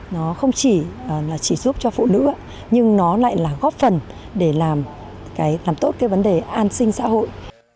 nó không chỉ giúp cho phụ nữ nhưng nó lại là góp phần để làm tốt vấn đề an sinh xã hội